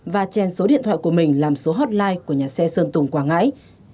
và chèn số điện thoại của mình làm số hotline của nhà xe sơn tùng quảng ngãi